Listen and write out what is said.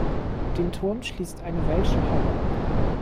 Den Turm schließt eine „Welsche Haube“ ab.